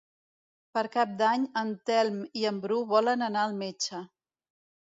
Per Cap d'Any en Telm i en Bru volen anar al metge.